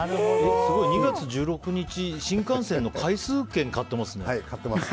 すごい２月１６日、新幹線の回数券を買ってますね。